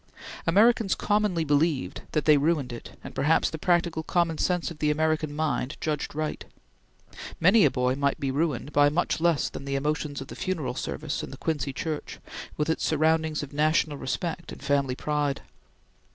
Americans commonly believed that they ruined it, and perhaps the practical common sense of the American mind judged right. Many a boy might be ruined by much less than the emotions of the funeral service in the Quincy church, with its surroundings of national respect and family pride.